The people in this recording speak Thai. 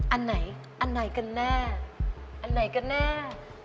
อันไหนกันแน่